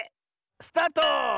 スタート！